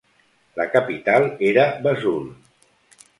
La capital era Vesoul.